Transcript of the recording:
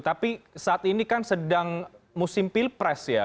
tapi saat ini kan sedang musim pilpres ya